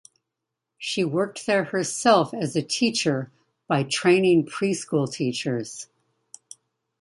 She worked there herself as a teacher by training pre-school teachers.